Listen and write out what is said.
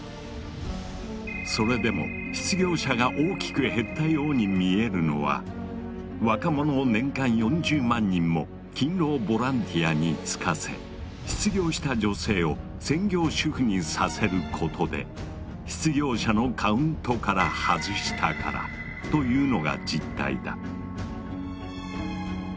それでも失業者が大きく減ったように見えるのは若者を年間４０万人も勤労ボランティアに就かせ失業した女性を専業主婦にさせることで失業者のカウントから外したからというのが実態だ。